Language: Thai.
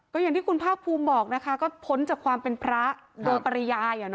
ก็อย่างที่คุณภาคภูมิบอกนะคะก็พ้นจากความเป็นพระโดยปริยาย